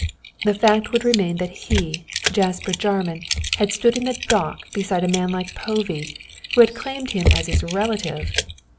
The fact would remain that he, Jasper Jarman, had stood in the dock beside a man like Povey, who had claimed him as a relative!